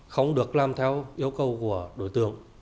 không được làm theo yêu cầu của đối tượng